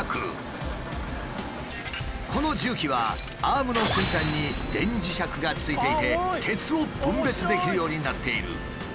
この重機はアームの先端に電磁石が付いていて鉄を分別できるようになっている。